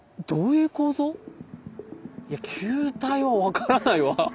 いや球体は分からないわ。